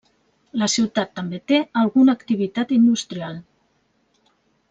La ciutat també té alguna activitat industrial.